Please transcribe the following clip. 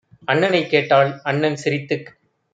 அண்ணனைக் கேட்டாள். அண்ணன் சிரித்துக்